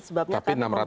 sebabnya kami membuat